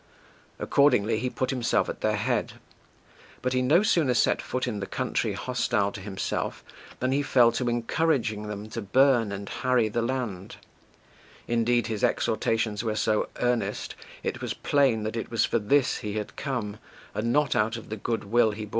Accordingly he put himself at their head; but he no sooner set foot in the country hostile to himself than he fell to encouraging them to burn and harry the land; indeed his exhortations were so earnest, it was plain that it was for this he had come, and not out of the good will he bore the Hellenes.